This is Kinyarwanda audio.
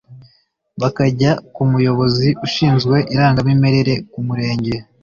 bakajya ku muyobozi ushinzwe irangamimerere ku Murenge